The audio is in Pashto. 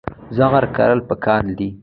زغر کرل پکار دي.